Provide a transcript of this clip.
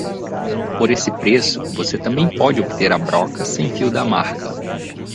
Por esse preço, você também pode obter a broca sem fio da marca.